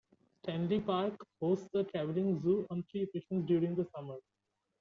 Stanley Park hosts a travelling zoo on three occasions during the summer.